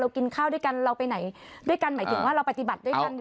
กินข้าวด้วยกันเราไปไหนด้วยกันหมายถึงว่าเราปฏิบัติด้วยกัน